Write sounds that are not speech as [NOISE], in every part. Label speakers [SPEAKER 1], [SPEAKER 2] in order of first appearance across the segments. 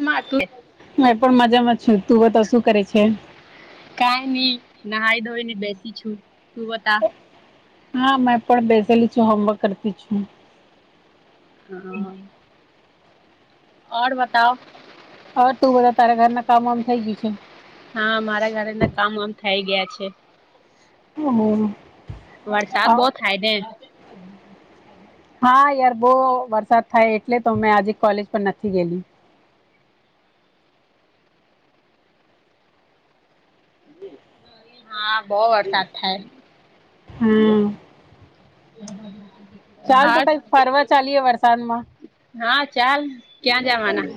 [SPEAKER 1] મહત્
[SPEAKER 2] હું એ પણ મજામાં છું તું તો શું કરે છે
[SPEAKER 1] કઈ નહી નહાઈ ધોઈ ને બેસી છું તું બતા
[SPEAKER 2] હા મેં પણ બેસેલી છ હોમવર્ક કરતી છું
[SPEAKER 1] હ. ઓર બતાવ
[SPEAKER 2] હા તું બધા તારા ઘરના કામ આમ થઇ ગયું છે.
[SPEAKER 1] હા મારા ઘરે ના કામ આમ થઈ ગયા છે.
[SPEAKER 2] [UNINTELLIGIBLE] અ
[SPEAKER 1] વરસાદ બહુત થાય ને.
[SPEAKER 2] હા યાર બહુ વરસાદ થાય એટલે તો મેં આજે કોલેજ પણ નથી ગયલી
[SPEAKER 1] હા બહ વરસાદ થાય
[SPEAKER 2] હમ્મ
[SPEAKER 1] [UNINTELLIGIBLE]
[SPEAKER 2] ચાલ તો
[SPEAKER 1] આજ
[SPEAKER 2] કઈ ફરવા ચાલીય વરસાદ માં
[SPEAKER 1] હા ચાલ ક્યાં જવાના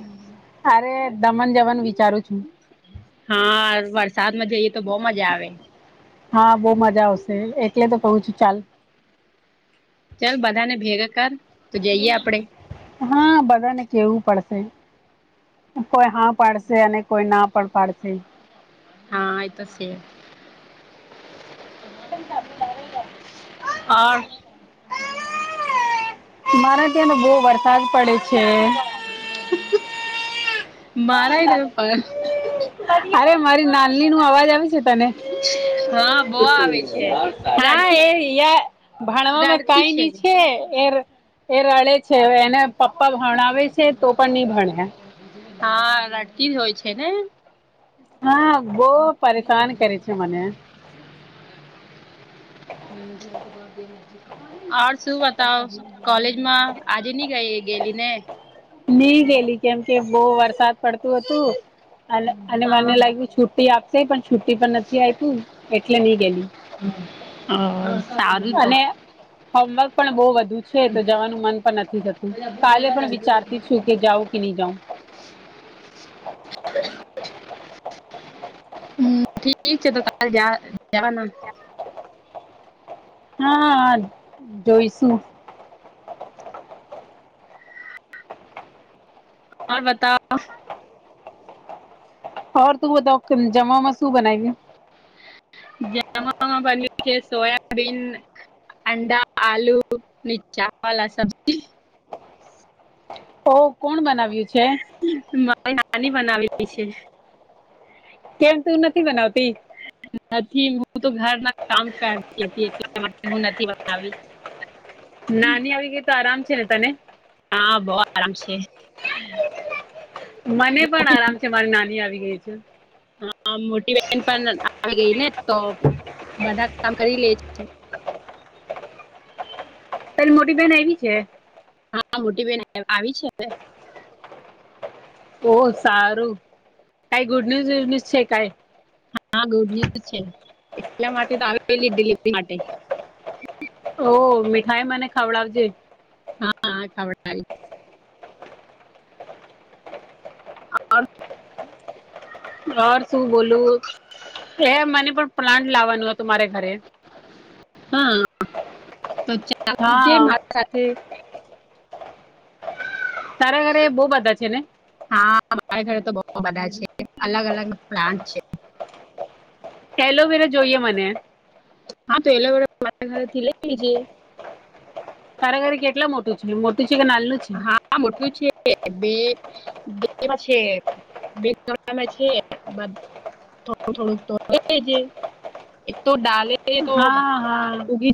[SPEAKER 2] અરે દમન જમન વિચારું છું.
[SPEAKER 1] હા વરસાદમાં જઈએ તો બહ મજા આવે
[SPEAKER 2] હા બહુ મજા આવશે એટલે તો કું છું ચાલ
[SPEAKER 1] ચાલ બધાને ભેગા કર તો જઈએ આપડે
[SPEAKER 2] હા બધાને કેવું પડશે કોઈ હા પાડશે અને કોઈ ના પણ પાડશે
[SPEAKER 1] હા એ તો સે.
[SPEAKER 2] [UNINTELLIGIBLE]
[SPEAKER 1] [UNINTELLIGIBLE]
[SPEAKER 2] મારા ત્યાં બહુ વરસાદ પડે છે.
[SPEAKER 1] મારા ન પણ.
[SPEAKER 2] અરે મારી નાની નું અવાજ આવી છે તને
[SPEAKER 1] હા બો આવે છે
[SPEAKER 2] હા
[SPEAKER 1] રડતી
[SPEAKER 2] એ ભણવામાં
[SPEAKER 1] રડતી
[SPEAKER 2] કઈ
[SPEAKER 1] છે
[SPEAKER 2] નહી કે એ એ રડે છે એને પપ્પા ભણાવે છે તો પણ નહી ભણે
[SPEAKER 1] હા લટકી જ હોય છે ને
[SPEAKER 2] હા બહ પરેશાન કરે છે મને
[SPEAKER 1] [UNINTELLIGIBLE] હર શું બતાવ કોલેજમાં આજે નની ગઈ ગેલી ને.
[SPEAKER 2] નહી ગેલી કેમ કે બહુ વરસાદ પડતું હતું અને અને મને લાગ્યું છુટી આપશે પણ છુી પણ નથી આપ્યું એટલે નહી ગેલી
[SPEAKER 1] હ સારું તો.
[SPEAKER 2] અને હોમવર્ક પણ બહ વધુ છે તો જવાનું મન પણ નથી થતું કાલે પણ વિચાર સુ કે જાઓ કે નઈ જાઓ
[SPEAKER 1] હમ્મ ઠીક છે તો કાલ જા જાવાના
[SPEAKER 2] હા જોઈશું
[SPEAKER 1] ઓર બતાવ
[SPEAKER 2] હ તું બતાવ જામમાં શું બનાઈ
[SPEAKER 1] જમામા બન્યું છે સોયાબીન અંડા આલુ ની ચવાળ સબજી
[SPEAKER 2] ઓ કોણ બનાવ્યું છે?
[SPEAKER 1] મારી નાની બનાવેલી છે.
[SPEAKER 2] કેમ તું નથી બનાવતી
[SPEAKER 1] નથી હું તો ઘરના કામ કરતી હતી એટ માટે હું નથી બનવી
[SPEAKER 2] નાની આવી ગઈ તો આરામ છે ને તને
[SPEAKER 1] હા બહ આરામ છે
[SPEAKER 2] મને પણ આરામ છે મારી નાની આવી ગઈ છે
[SPEAKER 1] હા મોટી બહેન પણ આવી ગઈ ને તો બધા કામ કરી લે છે
[SPEAKER 2] તારી મોટી બહેન એવી છે
[SPEAKER 1] હા મોટી બેહેન આવી છે હવે
[SPEAKER 2] ઓહ સારું કઈ ગુડ ન્યૂઝ ન્યુઝ છે કઈ
[SPEAKER 1] હા ગુડ ન્યુઝ છે એટલા માટે તો આવે ડિલિવરી માટે
[SPEAKER 2] ઓહ મીઠાઈ મને ખાવડાવજે.
[SPEAKER 1] હા હા ખ થ
[SPEAKER 2] ઓર શું બોલું હ મને પણ પ્લાન્ટ લાવવાનું હત હતું મારે ઘરે
[SPEAKER 1] હા તો ચાલજ
[SPEAKER 2] હા
[SPEAKER 1] મારી સાથે
[SPEAKER 2] તારા ઘરે બહુ બધા છે ને
[SPEAKER 1] હા મારા ઘરે તો બહુ બધા છે અલગ અલગ પ્લાન્ટ છે
[SPEAKER 2] એલોવેરા જોઈએ મને
[SPEAKER 1] હા તો એલા મારા ઘરે થી લઈ લઈજ
[SPEAKER 2] કારાગરી કેટલા મોટું છે મોટું છે કે નાલનું છે
[SPEAKER 1] હા મોટલું છે બે બેમાં છે બેમાં છે થોડું થોડુંક તો એક તો ડલેે [INAUDIBLE] તો
[SPEAKER 2] હા હા
[SPEAKER 1] ઉગી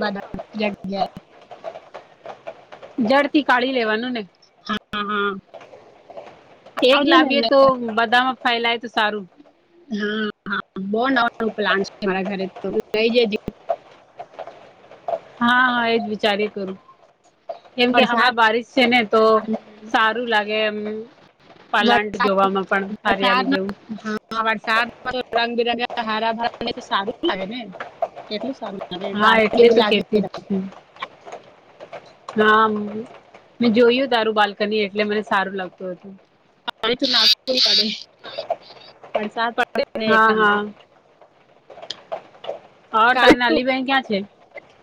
[SPEAKER 1] બ [INAUDIBLE]
[SPEAKER 2] જડથી કાઢી લેવાનું ને
[SPEAKER 1] હા હા.
[SPEAKER 2] એક
[SPEAKER 1] આવજે
[SPEAKER 2] લાવીએ
[SPEAKER 1] ને
[SPEAKER 2] તો બધામાં ફેલાય તો સારું
[SPEAKER 1] હા હા બહ નવ નવું પ્લાન છે માંરા ઘરે લઈ જ
[SPEAKER 2] હા હા એજ વિચાર કરું કેમ કે
[SPEAKER 1] વરસાદ
[SPEAKER 2] હમણાં બારીશ છે ને તો સારું લાગે એમ. પાલાટ
[SPEAKER 1] વરસાદ
[SPEAKER 2] જોવામાં પણ હરિયાલી જેવું
[SPEAKER 1] હ વરસાદ તો રંગ બિરંગા હારા ભરા ને તો સારું લાગે ને એટલું સારું
[SPEAKER 2] હા એટલે
[SPEAKER 1] [INAUDIBLE]
[SPEAKER 2] તો
[SPEAKER 1] લાગી
[SPEAKER 2] કેતી
[SPEAKER 1] છે.
[SPEAKER 2] જ છું હા મેં જોયું તારું બાલ્કની એટલે મને સારું લાગતું હતું.
[SPEAKER 1] પડે વરસાદ પડે
[SPEAKER 2] હા
[SPEAKER 1] એટલા માટે
[SPEAKER 2] હા તો
[SPEAKER 1] કાલે
[SPEAKER 2] તારી
[SPEAKER 1] તો
[SPEAKER 2] નાની બહેન ક્યાં છે?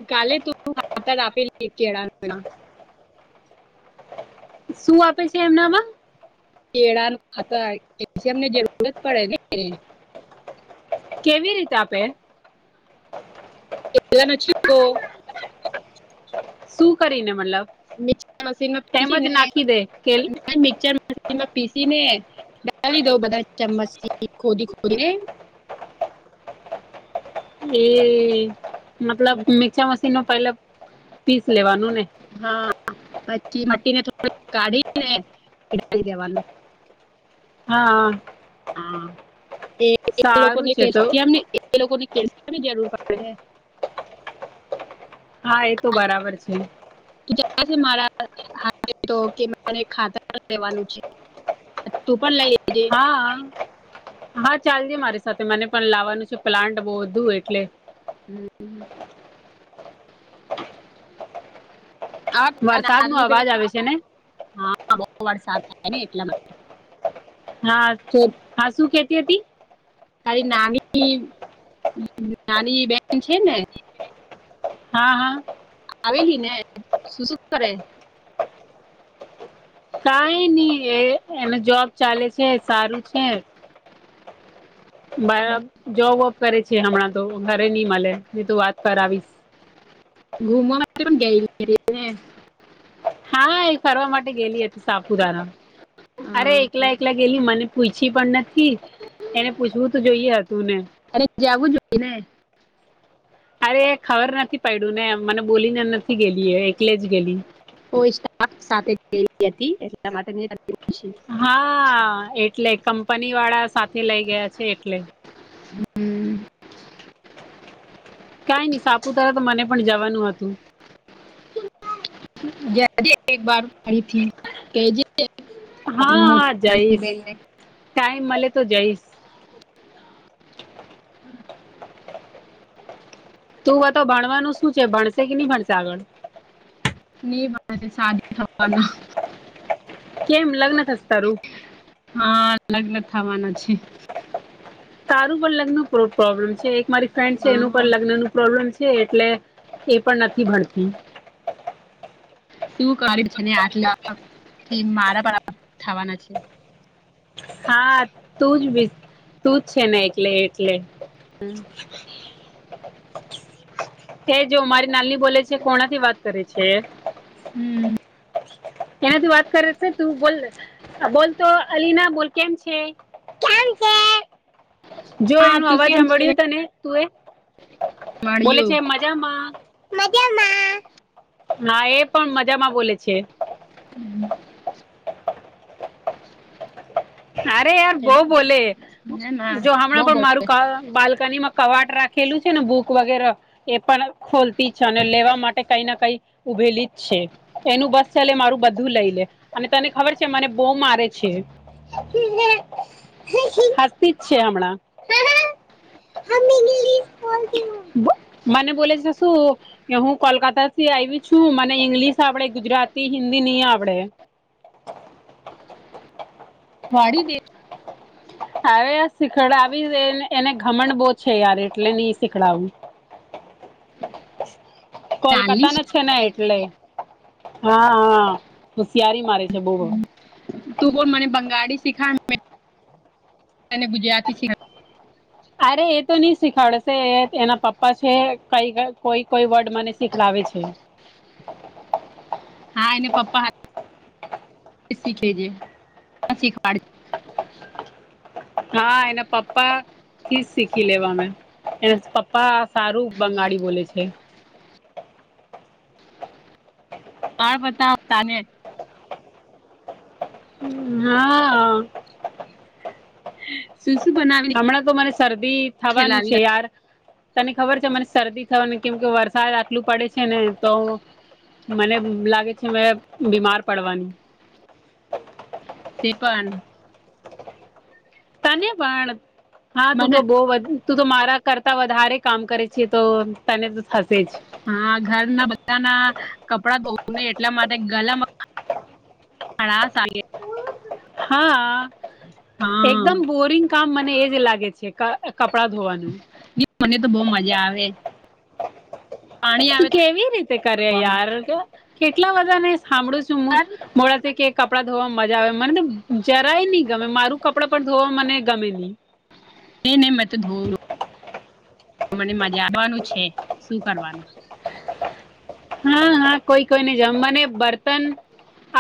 [SPEAKER 1] કાલે તું હત [INAUDIBLE] આપેલી [INAUDIBLE] ખડામાં
[SPEAKER 2] શું આપે છે એમનામાં?
[SPEAKER 1] કેળાના ખાતર એ અમને જરૂર જ પડે ને
[SPEAKER 2] કેવી રીતે આપે??
[SPEAKER 1] એલા નછી [INAUDIBLE] [UNINTELLIGIBLE]
[SPEAKER 2] શું કરીને મતલબ?
[SPEAKER 1] મિક્ર
[SPEAKER 2] તેમજ
[SPEAKER 1] મશીનને
[SPEAKER 2] નાખી દે કે
[SPEAKER 1] મિક્ચરમાં માં પીસી ને લગી દઉ બધા ચમચથી ખોદી ખોદીને
[SPEAKER 2] એ મતલબ
[SPEAKER 1] હમ,
[SPEAKER 2] મિક્સર મશીનમાં પેલા પીસ લેવાનું ને?
[SPEAKER 1] હા પછી મીને થોડું ગાડીને મીઠું નાખી દેવાનું
[SPEAKER 2] હા.
[SPEAKER 1] હા એ
[SPEAKER 2] સારું
[SPEAKER 1] લોકોને
[SPEAKER 2] છે તો
[SPEAKER 1] કેલ્શિયમને એ લોકોને કેલ્શિયમ ની જરૂર પડે ને
[SPEAKER 2] હા એ તો બરાબર છે.
[SPEAKER 1] મારા ખાતર લેવાનું છે. તું પણ લઈ જજે.
[SPEAKER 2] હા હા ચાલજે મારી સાથે મને પણ લાવવાનું છે પ્લાન્ટ બહુ વધુ એટલે
[SPEAKER 1] હમ. હા
[SPEAKER 2] વરસાદ નો અવાજ આવે છે ને
[SPEAKER 1] બહુ વરસાદ થાય ને એટલા માટે
[SPEAKER 2] હા
[SPEAKER 1] તો
[SPEAKER 2] હા શું કેતી હતી?
[SPEAKER 1] તારી નાની નાની બેન છે ને?
[SPEAKER 2] હા હા.
[SPEAKER 1] આવેલી ને શું શું કરે?
[SPEAKER 2] કઈ નઈ એ એને જોબ ચાલે છે સારું છે. જોબ વોબ કરે છે હમણાં તો ઘરે નઈ મળે એ તું વાત કરાવીશ.
[SPEAKER 1] ઘુમવાના માટે પણ ગયને
[SPEAKER 2] હા ફરવા માટે ગયેલી હતી સાપુતારા
[SPEAKER 1] હા.
[SPEAKER 2] અરે એકલા એકલા ગયેલી મને પૂછી પણ નથી એને પૂછવું તો જોઈએ હતું ને
[SPEAKER 1] અને જવું જોઈએ ને
[SPEAKER 2] અરે ખબર નથી પડ્યું ને મને બોલીને નથી ગયેલી એ એકલે જ ગયેલી.
[SPEAKER 1] સાથે હતી એટલા માટે
[SPEAKER 2] હા એટલે કંપની વાળા સાથે લઇ ગયા છે એટલે
[SPEAKER 1] હમ.
[SPEAKER 2] કઈ નઈ સાપુતારા તો મને પણ જવાનું હતું.
[SPEAKER 1] એક બ પડીથી કેજ [INAUDIBLE] [UNINTELLIGIBLE]
[SPEAKER 2] હા હા જઈશ
[SPEAKER 1] મોટી. [INAUDIBLE]
[SPEAKER 2] ટાઈમ મલે તો જઈશ.
[SPEAKER 1] [INAUDIBLE]
[SPEAKER 2] તું વટો ભણવાનું શું છે ભણશે કે નહી ભણશે આગળ
[SPEAKER 1] ની ભણે સાદી [INAUDIBLE]
[SPEAKER 2] કેમ લગ્ન થશે તારું
[SPEAKER 1] હા લગ્ન થાવાના છે.
[SPEAKER 2] તારું પર લગ્ન પ્રોબ્લમ છે એક મારી ફ્રેન્ડ છે એનું
[SPEAKER 1] હા
[SPEAKER 2] પણ લગ્ન નું પ્રોબ્લેમ છે એટલે એ પણ નથી ભણતી.
[SPEAKER 1] તુ કરે છે ને આટલા થી મારા પણ થવાના છે.
[SPEAKER 2] હા તું વિથ તું જ છે ને એટલે એટલે
[SPEAKER 1] હમ્મ
[SPEAKER 2] હે જો મારી નાલ્લી બોલે છે કોણા થી વાત કરે છે.
[SPEAKER 1] હમ્મ
[SPEAKER 2] એનાથી વાત કરે છે તું બોલ બોલ તો અલીના બોલ કેમ છે. કેમ છે
[SPEAKER 1] [INAUDIBLE]
[SPEAKER 2] જો
[SPEAKER 1] હા
[SPEAKER 2] એનું
[SPEAKER 1] તું
[SPEAKER 2] અવાજ
[SPEAKER 1] કેમ છે
[SPEAKER 2] સાંભળ્યું તને તું એ બોલે છે
[SPEAKER 1] મળ્યું
[SPEAKER 2] જામા મજામાં હા એ પણ મજામાં બોલે છે.
[SPEAKER 1] હમ્મ
[SPEAKER 2] અરે યાર
[SPEAKER 1] છે
[SPEAKER 2] બઉ
[SPEAKER 1] ને?
[SPEAKER 2] બોલે
[SPEAKER 1] ના ના
[SPEAKER 2] જો
[SPEAKER 1] બહુ
[SPEAKER 2] હમણાં પણ
[SPEAKER 1] બોલ
[SPEAKER 2] મારું ક બાલ્કની માં કવાટ રાખેલું છે ને બૂક વગેરે એ પણ ખોલતી છ અને લેવા માટે કઈ ના કઈ ઊભેલી જ છે. એનું બસ ચલે મારું બધું લઈ લે અને તને ખબર છે મને બો મારે છે. હસ્તીજ છે હમણાં. મને બોલે છે શું કે હું કોલકાતા થી આઈવી છું મને ઈંગ્લિશ આવડે ગુજરાતી, હિન્દી ની આવડે.
[SPEAKER 1] વાડીદે
[SPEAKER 2] હવે આ શીખડાવી એને ઘમણ બહુ છે યાર એટલે નહી શીખડાવું.
[SPEAKER 1] [INAUDIBLE]
[SPEAKER 2] કોલકાતા ને છે ને એટલે હા હા હોશિયારી મારે છે બહુ
[SPEAKER 1] તું બોલ મને બંગાળી શીખા ગુજરાતી સીખા
[SPEAKER 2] અરે એ તો નઈ શીખાડશે એના પપ્પા છે કંઈક કોઈ કોઈ વર્ડ મને શીખડાવે છે.
[SPEAKER 1] હા એને પપ્પા શીખે છે શીખવાડ
[SPEAKER 2] હા એના પપ્પા થી જ શીખી લેવા મે એના પપ પા સારું બંગાડી બોલે છે.
[SPEAKER 1] આણ પતાવ તાને
[SPEAKER 2] હા
[SPEAKER 1] શું શું બનાવી
[SPEAKER 2] હમણાં તો મને શરદી થવાનું
[SPEAKER 1] ખેલાવી
[SPEAKER 2] છે યાર તને ખબર છે મને શરદી થવા ને કેમ કે વરસાદ આટલું પડે છે ને તો મને લાગે છે મેં બીમાર પડવાની
[SPEAKER 1] તે પણ
[SPEAKER 2] તને પણ હા તું
[SPEAKER 1] મને
[SPEAKER 2] તો બહ વધુ તું તો મારા કરતા વધારે કામ કરે છે તો તને તો થશે જ.
[SPEAKER 1] હા ઘર ના બધા ના કપડા ધોવું નહી એટલા માટે ગલામ હણા સાલગે
[SPEAKER 2] હા એકદમ
[SPEAKER 1] હા
[SPEAKER 2] બોરિંગ કામ મને એજ લાગે છે કપડા ધોવાનું.
[SPEAKER 1] મને તો બહ મજા આવે. પાણી
[SPEAKER 2] તું
[SPEAKER 1] આવે
[SPEAKER 2] કેવી રીતે કરે
[SPEAKER 1] ધોવામાં
[SPEAKER 2] યાર કે કેટલા બધાને સાંભળું છું મુ. મોડા કે-કે કપડાં ધોવા મજા આવે મને તો જરાય નહીં ગમે મારું કપડાં પણ ધોવા મને ગમે નહીં.
[SPEAKER 1] ન નહી મેં તો ધો મને મજા આવવાનું છે શું કરવાનું.
[SPEAKER 2] હા હા કોઈ કોઈ ને જમવાને બર્તન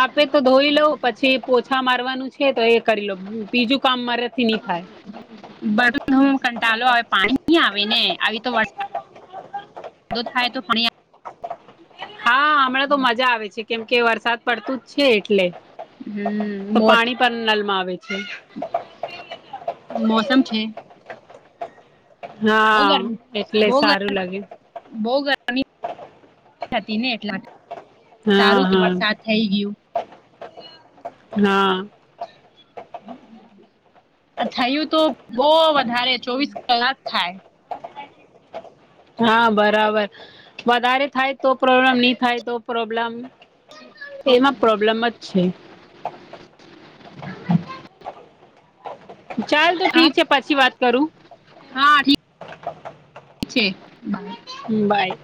[SPEAKER 2] આપે તો ધોઈ લોઉ પછી પોછા મારવાનું છે તો એ કરી લો બીજું કામ મારે એનાથી ની થાય.
[SPEAKER 1] બ હ કંટાલો આવે પાણી ન આવે ને આવી તો વરસાદ ધ થાય તો ફણી
[SPEAKER 2] હા હમણાં તો મજા આવે છે કેમ કે વરસાદ પડતું જ છે એટલે
[SPEAKER 1] હમ
[SPEAKER 2] તો
[SPEAKER 1] મોત
[SPEAKER 2] પાણી પણ નળમાં આવે છે.
[SPEAKER 1] મોસમ છે. બહુ
[SPEAKER 2] હા
[SPEAKER 1] ગરમી
[SPEAKER 2] એટલે
[SPEAKER 1] બહુ ગર
[SPEAKER 2] સારું લાગે
[SPEAKER 1] બહુ ગરમી હતી [UNINTELLIGIBLE] ને એટલા માટે સારું કે વરસાદ
[SPEAKER 2] હા
[SPEAKER 1] થઈ ગયું
[SPEAKER 2] હા હા
[SPEAKER 1] હમ [UNINTELLIGIBLE] અ થયું તો બો વધારે ચોવીસ કલાક થાય
[SPEAKER 2] હા બરાબર વધારે થાય તો પ્રોબ્લેમ ની થાય તો પ્રોબ્લેમ એમાં પ્રોબ્લેમ જ છે. ચાલ તો
[SPEAKER 1] હા
[SPEAKER 2] ઠીક છે પછી વાત કરું
[SPEAKER 1] હા થીક છે.
[SPEAKER 2] હમ બાય